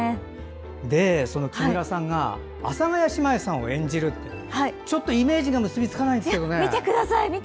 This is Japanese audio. その木村さんが阿佐ヶ谷姉妹さんを演じるってちょっとイメージが結びつかないんですけどね。